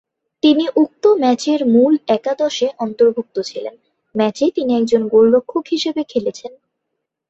তিনি উক্ত ম্যাচের মূল একাদশে অন্তর্ভুক্ত ছিলেন; ম্যাচে তিনি একজন গোলরক্ষক হিসেবে খেলেছেন।